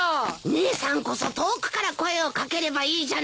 姉さんこそ遠くから声を掛ければいいじゃないか。